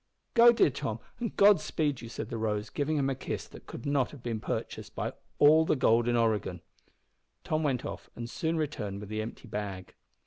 "Go, dear Tom, and God speed you," said the Rose, giving him a kiss that could not have been purchased by all the gold in Oregon. Tom went off, and soon returned with the empty bag.